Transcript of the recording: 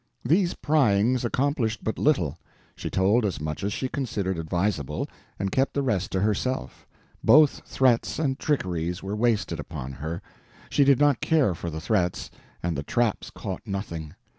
These pryings accomplished but little. She told as much as she considered advisable, and kept the rest to herself. Both threats and trickeries were wasted upon her. She did not care for the threats, and the traps caught nothing.